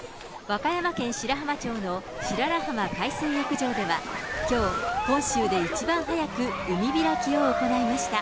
和歌山県白浜町の白良浜海水浴場では、きょう、本州で一番早く海開きを行いました。